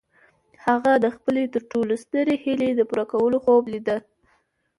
هغه د خپلې تر ټولو سترې هيلې د پوره کولو خوب ليده.